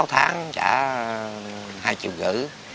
sáu tháng trả hai triệu gửi